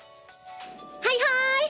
はいはい！